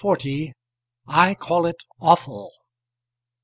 I CALL IT AWFUL.